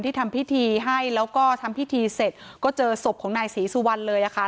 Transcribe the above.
ทำพิธีให้แล้วก็ทำพิธีเสร็จก็เจอศพของนายศรีสุวรรณเลยค่ะ